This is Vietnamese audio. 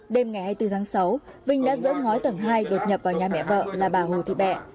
đêm ngày hai mươi bốn tháng sáu vinh đã dỡ ngói tầng hai đột nhập vào nhà mẹ vợ là bà hồ thị bẹ